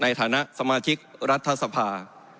ในฐานะสมาชิกรัฐสภา